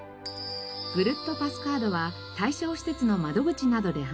ぐるっとパスカードは対象施設の窓口などで販売。